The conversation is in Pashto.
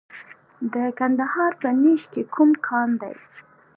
د کندهار په نیش کې کوم کان دی؟